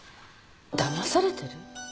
だまされてる？